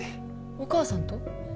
お母さんと？